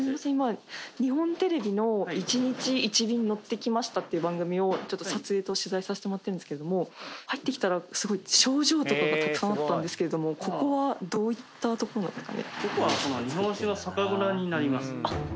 日本テレビの『１日１便乗ってきました』って番組を撮影と取材させてもらってるんですけども入ってきたら賞状とかがたくさんあったんですけどもここはどういったとこなんですか？